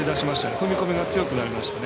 踏み込みが強くなりましたね。